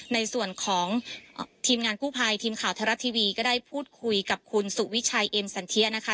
ในส่วนของทีมงานกู้ภัยทีมข่าวไทยรัฐทีวีก็ได้พูดคุยกับคุณสุวิชัยเอ็มสันเทียนะคะ